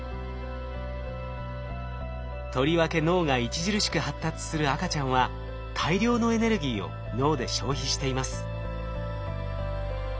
とりわけ脳が著しく発達する赤ちゃんは大量のエネルギーを脳で消費しています。